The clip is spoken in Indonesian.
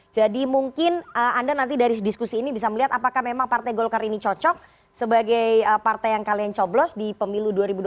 jadi mungkin anda nanti dari diskusi ini bisa melihat apakah memang partai golkar ini cocok sebagai partai yang kalian coblos di pemilu dua ribu dua puluh empat